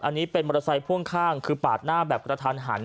อันนี้เป็นมอเตอร์ไซค์พ่วงข้างคือปาดหน้าแบบกระทันหัน